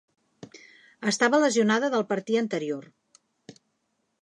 Estava lesionada del partir anterior.